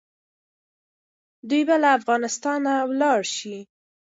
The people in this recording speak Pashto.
دوی به له افغانستانه ولاړ سي.